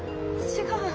違う。